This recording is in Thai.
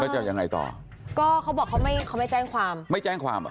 แล้วจะยังไงต่อก็เขาบอกเขาไม่เขาไม่แจ้งความไม่แจ้งความเหรอ